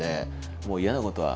もう嫌なことは。